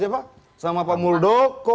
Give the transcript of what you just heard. siapa mensekap siapa sama pak muldoko